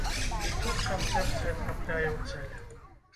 І тут канцэпцыя трапляе ў цэль.